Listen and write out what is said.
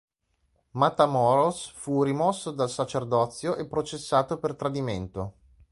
Matamoros fu rimosso dal sacerdozio e processato per tradimento.